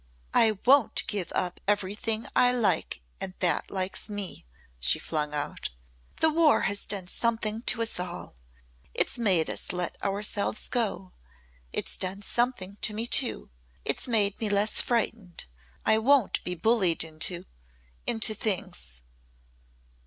"I won't give up everything I like and that likes me," she flung out. "The War has done something to us all. It's made us let ourselves go. It's done something to me too. It's made me less frightened. I won't be bullied into into things."